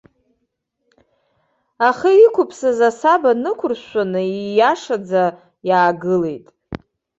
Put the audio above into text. Ахы иқәыԥсаз асаба нықәыршәшәаны, ииашаӡа иаагылеит!